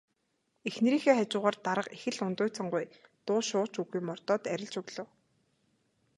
Эхнэрийнхээ хажуугаар дарга их л ундууцангуй дуу шуу ч үгүй мордоод арилж өглөө.